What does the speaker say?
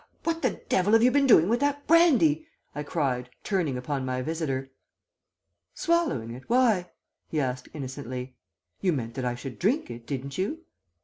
"'What the devil have you been doing with that brandy?' I cried, turning upon my visitor. "'Swallowing it; why?' he asked innocently. 'You meant that I should drink it, didn't you?'